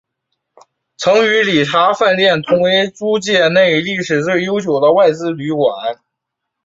其曾与礼查饭店同为租界内历史最悠久的外资旅馆。